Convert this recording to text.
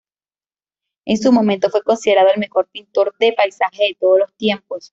En su momento, fue considerado el mejor pintor de paisajes de todos los tiempos.